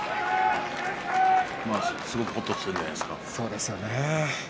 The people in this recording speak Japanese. すごくほっとしているんじゃないですか。